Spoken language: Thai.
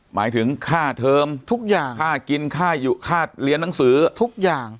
หมายถึงค่าเทอมทุกอย่างค่ากินค่าเรียนหนังสือทุกอย่าง